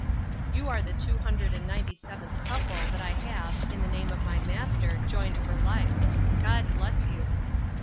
" You are the two hundred and ninety seventh couple that I have, in the name of my Master, ioined for life. God bless you."